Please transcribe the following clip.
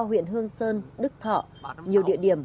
huyện hương sơn đức thọ nhiều địa điểm